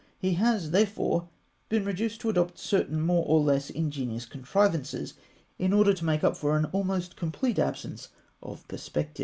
He has, therefore, been reduced to adopt certain more or less ingenious contrivances, in order to make up for an almost complete absence of perspective.